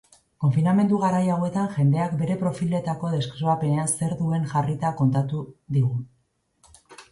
Konfinamendu garai hauetan jendeak bere profiletako deskribapenean zer duen jarrita kontatu digu.